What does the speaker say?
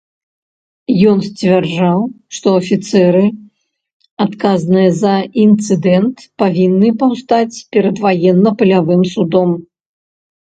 Ён сцвярджаў, што афіцэры, адказныя за інцыдэнт павінны паўстаць перад ваенна-палявым судом.